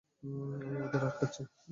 আমি তাদের আটকাচ্ছি।